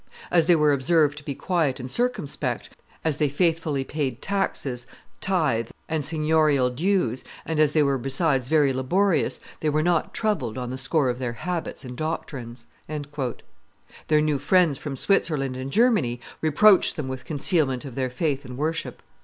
As they were observed to be quiet and circumspect, as they faithfully paid taxes, tithe, and seigniorial dues, and as they were besides very laborious, they were not troubled on the score of their habits and doctrines." Their new friends from Switzerland and Germany reproached them with concealment of their faith and worship.